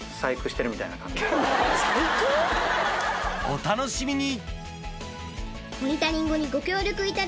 お楽しみに！